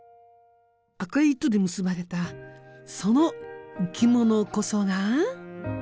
赤い糸で結ばれたその生き物こそが。